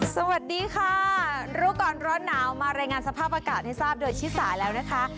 สวัสดีค่ะรู้ก่อนร้อนหนาวมารายงานสภาพอากาศให้ทราบโดยชิสาแล้วนะคะ